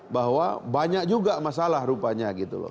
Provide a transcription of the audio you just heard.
bahwa banyak juga masalah rupanya gitu loh